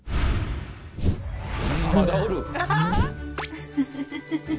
ウフフフフ。